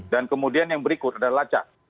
dan kemudian yang berikut ada laca